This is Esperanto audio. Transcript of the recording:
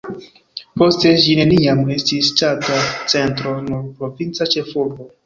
Poste ĝi neniam estis ŝtata centro, nur provinca ĉefurbo.